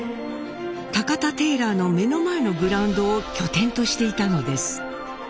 タカタテーラーの目の前のグラウンドを拠点としていたのです。